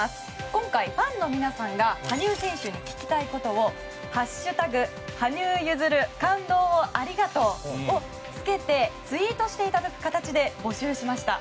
今回ファンの皆さんが羽生選手に聞きたいことを「＃羽生結弦感動をありがとう」をつけてツイートしていただく形で募集しました。